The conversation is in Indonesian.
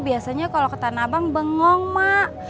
biasanya kalau ke tanah abang bengong mak